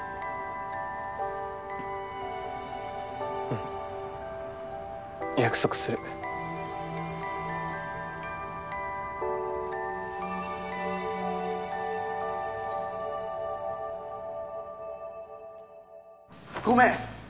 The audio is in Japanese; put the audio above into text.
うん約束するごめん！